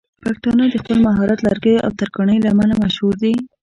پښتانه د خپل مهارت لرګيو او ترکاڼۍ له امله مشهور دي.